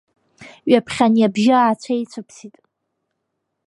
Ҩаԥхьа ани абжьы аацәеицәыԥсит.